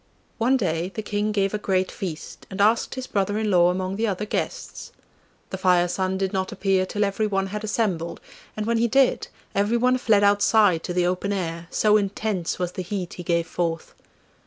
One day the King gave a great feast, and asked his brother in law among the other guests. The Fire son did not appear till everyone had assembled, and when he did, everyone fled outside to the open air, so intense was the heat he gave forth.